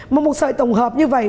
mà một sợi tổng hợp như vậy